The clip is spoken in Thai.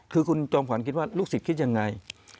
คือคุณจอมขวัญคิดว่าลูกศิษย์คิดยังไง